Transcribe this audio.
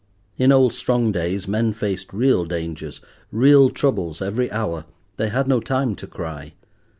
In old strong days men faced real dangers, real troubles every hour; they had no time to cry.